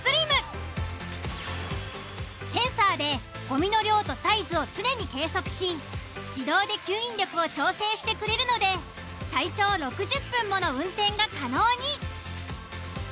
センサーでゴミの量とサイズを常に計測し自動で吸引力を調整してくれるので最長６０分もの運転が可能に。